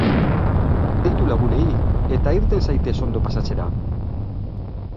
Deitu lagunei eta irten zaitez ondo pasatzera!